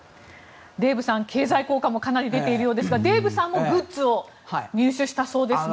デーブさん、経済効果もかなり出ているようですがデーブさんもグッズを入手したそうですね。